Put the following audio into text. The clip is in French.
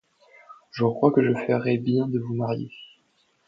Je crois que je ferai bien de vous marier.